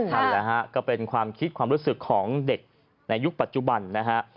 นั่นแหละฮะก็เป็นความคิดความรู้สึกของเด็กในยุคปัจจุบันนะฮะ